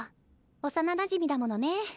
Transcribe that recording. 幼なじみだものね。